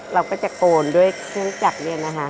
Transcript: เราก็จะโกนด้วยเครื่องจักรเนี่ยนะคะ